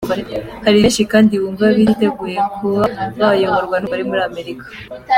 Hari benshi kandi bumva batiteguye kuba bayoborwa n’umugore muri Amerika.